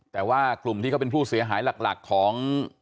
แต่ว่ากลุ่มที่เขาเป็นผู้เสียหายหลักของ